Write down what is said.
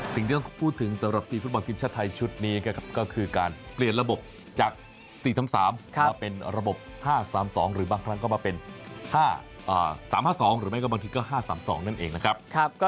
สิ่งที่ต้องพูดถึงสำหรับทีมฟุตบอลทีมชาติไทยชุดนี้ก็คือการเปลี่ยนระบบจาก๔๓๓มาเป็นระบบ๕๓๒หรือบางครั้งก็มาเป็น๓๕๒หรือไม่ก็บางทีก็๕๓๒นั่นเองนะครับ